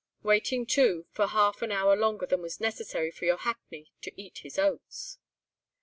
Waiting, too, for half an hour longer than was necessary for your hackney to eat his oats.